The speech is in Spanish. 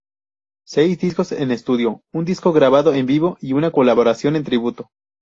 Seis discos en estudio, un disco grabado en vivo y una colaboración en tributo.